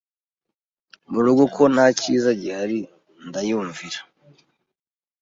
mu rugo kuko nta cyiza gihari ndayumvira